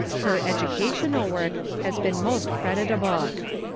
Her educational work has been most creditable.